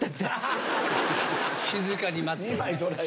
静かに待ってます。